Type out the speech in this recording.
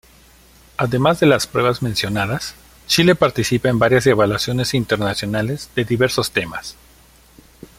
Además de las pruebas mencionadas, Chile participa en varias evaluaciones internacionales de diversos temas.